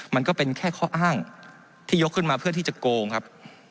มันก็เป็นแค่ข้ออ้างที่ยกขึ้นมาเพื่อที่จะโกงครับ